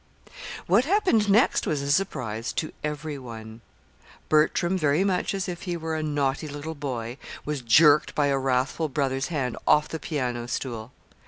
What happened next was a surprise to every one. Bertram, very much as if he were a naughty little boy, was jerked by a wrathful brother's hand off the piano stool.